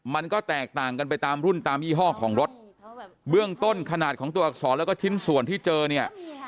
มันก็แตกต่างกันไปตามรุ่นตามยี่ห้อของรถเบื้องต้นขนาดของตัวอักษรแล้วก็ชิ้นส่วนที่เจอเนี่ย